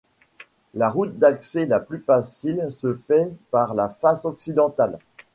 La route d’accès la plus facile se fait par la face occidentale.